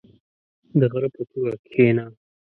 • د غره په څوکه کښېنه.